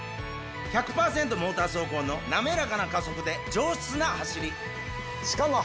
モーター走行の滑らかな加速で上質な走りしかも。